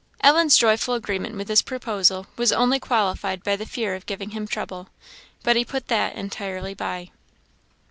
Ellen's joyful agreement with this proposal was only qualified by the fear of giving him trouble. But he put that entirely by.